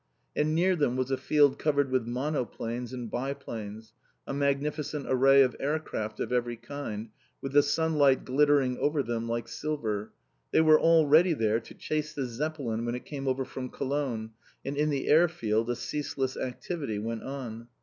And near them was a field covered with monoplanes and biplanes, a magnificent array of aircraft of every kind, with the sunlight glittering over them like silver; they were all ready there to chase the Zeppelin when it came over from Cologne, and in the air field a ceaseless activity went on.